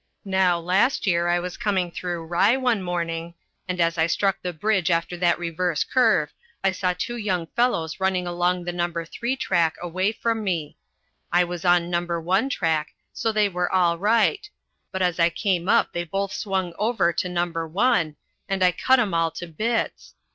Now, last year I was coming through Rye one morning, and as I struck the bridge after that reverse curve I saw two young fellows running along the No. 3 track away from me. I was on No. 1 track, so they were all right, but as I came up they both swung over to No. 1, and I cut 'em all to bits.